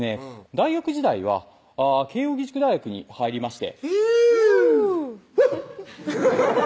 大学時代は慶應義塾大学に入りましてヒューッフゥ！